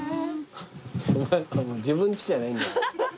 お前自分ちじゃないんだから。